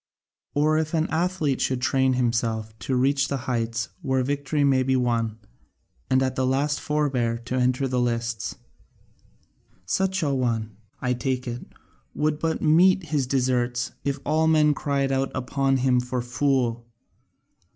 Or as if an athlete should train himself and reach the heights where victory may be won and at the last forbear to enter the lists such an one, I take it, would but meet his deserts if all men cried out upon him for a fool.